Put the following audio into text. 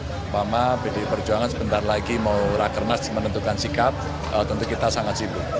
pertama pdi perjuangan sebentar lagi mau rakernas menentukan sikap tentu kita sangat sibuk